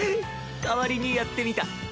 代わりにやってみた。